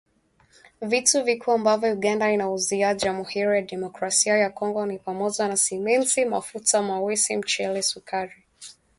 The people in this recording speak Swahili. Vitu vikuu ambavyo Uganda inaiuzia Jamuhuri ya Demokrasia ya Kongo ni pamoja na Simenti mafuta ya mawese mchele sukari